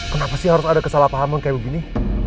kenapa sih harus ada kesalahpahaman kayak begini